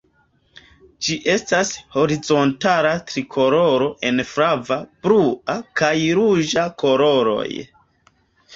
Ĝi estas horizontala trikoloro el flava, blua kaj ruĝa koloroj.